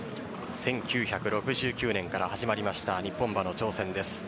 １９６９年から始まりました日本馬の挑戦です。